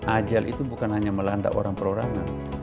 ajal itu bukan hanya melanda orang perorangan